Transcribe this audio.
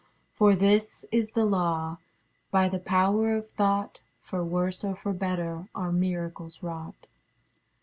For this is the law: By the power of thought, For worse, or for better, are miracles wrought.